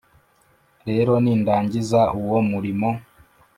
rero nindangiza uwo murimo